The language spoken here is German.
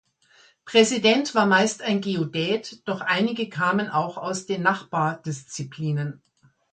Präsident war meist ein Geodät, doch einige kamen auch aus den Nachbardisziplinen.